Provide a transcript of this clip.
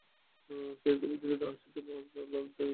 সে ধীরে ধীরে তাহার শীতল হস্ত আমার ললাটে বুলাইয়া দিতে লাগিল।